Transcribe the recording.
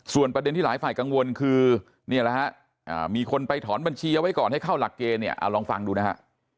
ส่วนประเด็นที่หลายฝ่ายกังวลคือมีคนไปถอนบัญชีไว้ก่อนให้เข้าหลักเกณฑ์ลองฟังดูนะฮะ